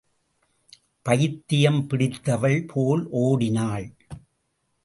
பைத்தியம் பிடித்தவள் போல் ஓடினாள்.